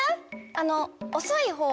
あのおそいほう？